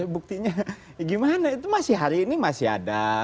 buktinya gimana itu masih hari ini masih ada